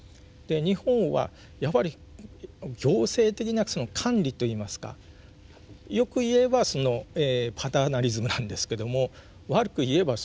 日本はやっぱり行政的なその管理といいますか良く言えばパターナリズムなんですけども悪く言えば利用する。